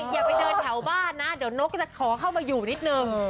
อย่าไปเดินแถวบ้านนะเดี๋ยวนกจะขอเข้ามาอยู่นิดนึง